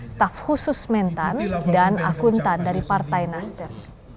staf khusus mentan dan akuntan dari partai nasdem